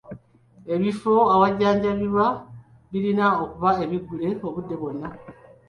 Ebifo awajjanjabirwa birina okuba ebiggule obudde bwonna.